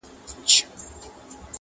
"د مثقال د ښو جزا ورکول کېږي٫